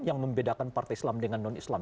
yang membedakan partai islam dengan non islam